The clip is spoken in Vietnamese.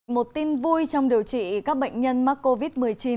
một tin vui trong điều trị các bệnh nhân mắc covid một mươi chín